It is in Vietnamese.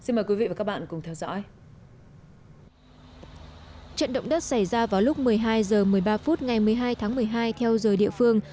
ngày một mươi hai tháng một mươi hai theo giờ địa phương